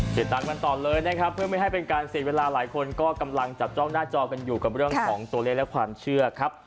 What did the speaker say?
ติดตามกันต่อเลยนะครับเพื่อไม่ให้เป็นการเสียเวลาหลายคนก็กำลังจับจ้องหน้าจอกันอยู่กับเรื่องของตัวเลขและความเชื่อครับ